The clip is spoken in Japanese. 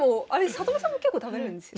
里見さんも結構食べれるんですっけ？